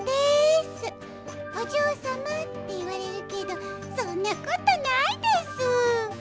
「おじょうさま」っていわれるけどそんなことないですぅ。